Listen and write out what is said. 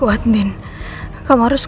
andin kena apa ya